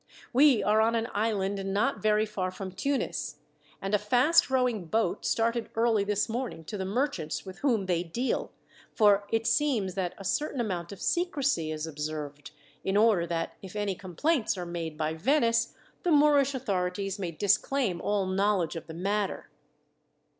We are on an island not very far from Tunis, and a fast rowing boat started early this morning to the merchants with whom they deal, for it seems that a certain amount of secrecy is observed, in order that if any complaints are made by Venice, the Moorish authorities may disclaim all knowledge of the matter."